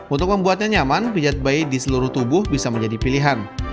untuk membuatnya nyaman pijat bayi di seluruh tubuh bisa menjadi pilihan